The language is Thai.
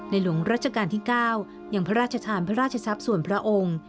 หลวงรัชกาลที่๙ยังพระราชทานพระราชทรัพย์ส่วนพระองค์